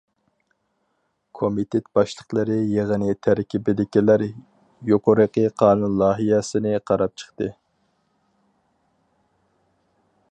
كومىتېت باشلىقلىرى يىغىنى تەركىبىدىكىلەر يۇقىرىقى قانۇن لايىھەسىنى قاراپ چىقتى.